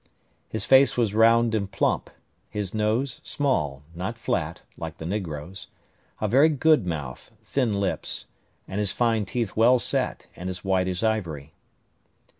His face was round and plump; his nose small, not flat, like the negroes; a very good mouth, thin lips, and his fine teeth well set, and as white as ivory.